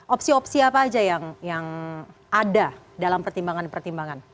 opsi opsi apa aja yang ada dalam pertimbangan pertimbangan